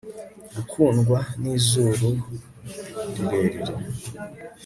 gukundwa nizuru rirerire